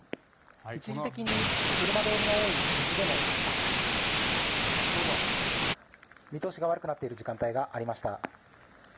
一時的に車通りの多い道でも見通しが悪くなっている時間帯がありました。